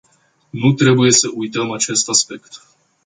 Nu trebuie să uităm acest aspect.